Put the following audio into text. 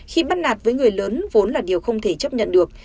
khi bắt nạt với người lớn vốn là điều không thể chấp nhận được